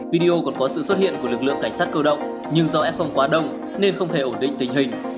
video còn có sự xuất hiện của lực lượng cảnh sát cơ động nhưng do f không quá đông nên không thể ổn định tình hình